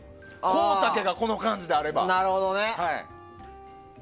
コウタケがこの感じであれば。